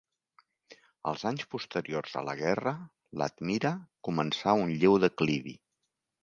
Els anys posteriors a la guerra l'Admira començà un lleu declivi.